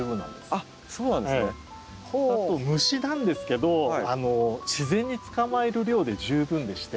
あと虫なんですけど自然に捕まえる量で十分でして。